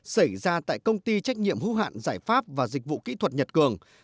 xảy ra tại công ty trách nhiệm hữu hạn giải pháp và dịch vụ kỹ thuật nhật cường